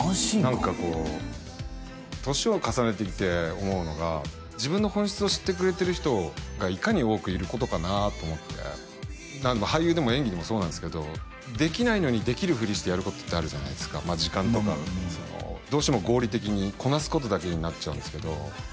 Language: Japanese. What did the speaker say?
何かこう年を重ねてきて思うのが自分の本質を知ってくれてる人がいかに多くいることかなと思って俳優でも演技でもそうなんですけどできないのにできるフリしてやることってあるじゃないですか時間とかどうしても合理的にこなすことだけになっちゃうんですけど